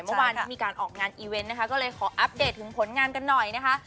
เมื่อวานนี้มีการออกงานอีเวนต์นะคะก็เลยขออัปเดตถึงผลงานกันหน่อยนะคะ